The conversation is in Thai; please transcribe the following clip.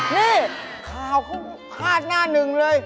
นี่ข่าวเขาพาดหน้าหนึ่งเลย